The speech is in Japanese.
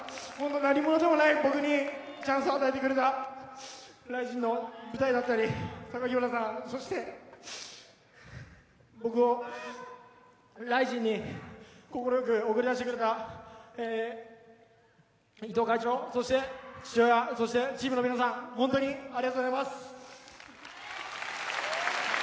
何者でもない僕にチャンスを与えてくれたＲＩＺＩＮの舞台だったり榊原さん、そして僕をＲＩＺＩＮに快く送り出してくれた会長そして、父親そしてチームの皆さん本当にありがとうございます。